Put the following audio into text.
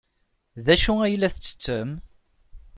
D acu ay la tettettem?